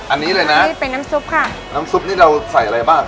อันนี้เลยนะนี่เป็นน้ำซุปค่ะน้ำซุปนี่เราใส่อะไรบ้าง